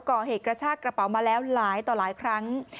กระชากระเป๋ามาแล้วหลายต่อหลายครั้ง